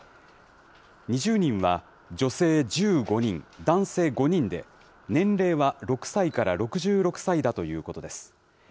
２０人は女性１５人、男性５人で、年齢は６歳から６６歳だということです。